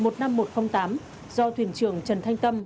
do thuyền trưởng trần thanh tâm